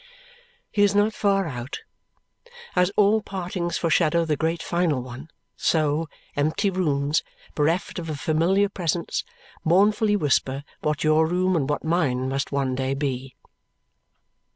He is not far out. As all partings foreshadow the great final one, so, empty rooms, bereft of a familiar presence, mournfully whisper what your room and what mine must one day be.